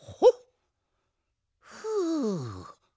ふう。